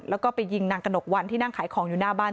แล้วก็ไปยิงนางกระหนกวันที่นั่งขายของอยู่หน้าบ้าน